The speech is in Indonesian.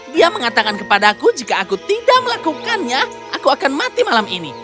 dia mengatakan kepada aku jika aku tidak melakukannya aku akan mati malam ini